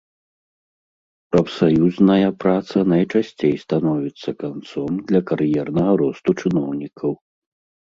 Прафсаюзная праца найчасцей становіцца канцом для кар'ернага росту чыноўнікаў.